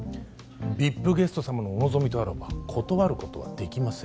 ＶＩＰゲスト様のお望みとあらば断ることはできません